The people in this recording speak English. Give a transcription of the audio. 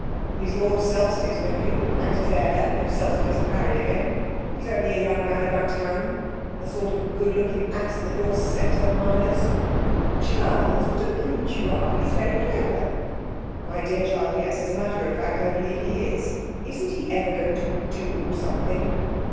'He's Lord Selsey's nephew and his heir if Selsey doesn't marry again. He's only a young man about town the sort of good looking ass that your sex admires.' 'Charles, what a brute you are! He's very clever.' 'My dear child, yes as a matter of fact, I believe he is. Isn't he ever going to do something?'